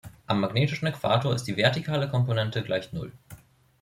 Am magnetischen Äquator ist die vertikale Komponente gleich Null.